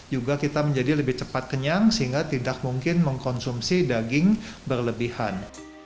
juga kita menjadi lebih cepat kenyang sehingga tidak mungkin mengkonsumsi daging berlebihan